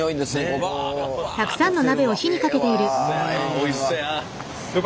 おいしそや。